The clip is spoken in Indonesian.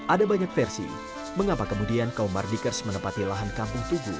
ada banyak versi mengapa kemudian kaum mardikers menempati lahan kampung tugu